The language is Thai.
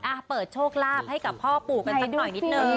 อ่ะเปิดโชคลาภให้กับพ่อปู่กันสักหน่อยนิดนึง